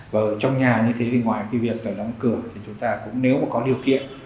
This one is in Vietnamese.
và ở trong nhà như thế thì ngoài việc đóng cửa thì chúng ta cũng nếu có điều kiện